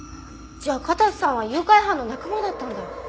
じゃあ片瀬さんは誘拐犯の仲間だったんだ。